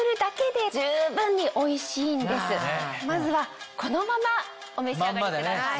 まずはこのままお召し上がりください。